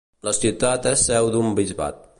La ciutat és seu d'un bisbat.